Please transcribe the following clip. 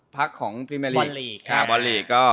พักของปรีเมอร์ลีค